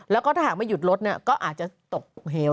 แล้วก็ถ้าหากไม่หยุดรถก็อาจจะตกเหว